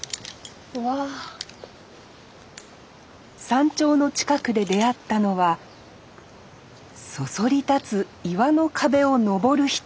山頂の近くで出会ったのはそそり立つ岩の壁を登る人。